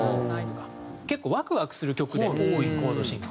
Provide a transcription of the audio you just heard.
結構ワクワクする曲で多いコード進行。